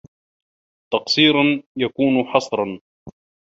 تَقْصِيرٌ يَكُونُ حَصْرًا